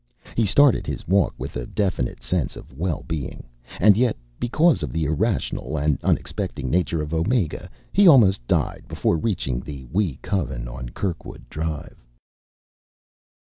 He started his walk with a definite sense of well being. And yet, because of the irrational and unexpecting nature of Omega, he almost died before reaching the Wee Coven on Kirkwood Drive.